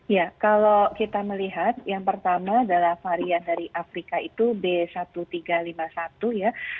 ya kalau kita melihat yang pertama adalah varian dari afrika itu b seribu tiga ratus lima puluh satu ya